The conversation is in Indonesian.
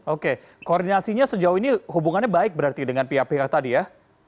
oke koordinasinya sejauh ini hubungannya baik berarti dengan pihak pihak tadi ya